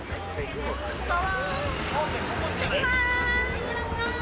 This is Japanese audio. ・いってらっしゃい！